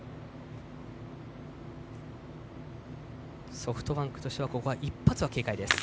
ソフトバンクとしてはここは一発は警戒です。